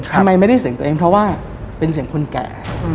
ไม่ได้เสียงตัวเองเพราะว่าเป็นเสียงคนแก่